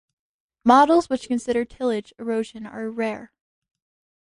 Models which consider tillage erosion are rare.